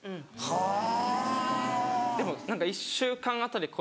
はぁ。